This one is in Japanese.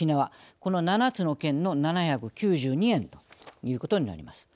この７つの県の７９２円ということになります。